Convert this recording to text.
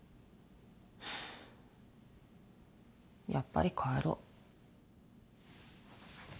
やっぱり帰ろ。